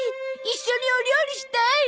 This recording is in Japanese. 一緒にお料理したい。